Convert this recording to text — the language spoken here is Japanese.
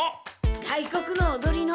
外国のおどりの。